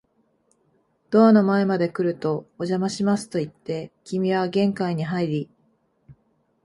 ドアの前まで来ると、お邪魔しますと言って、君は玄関に入り、